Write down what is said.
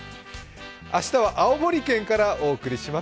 明日は青森県からお送りします。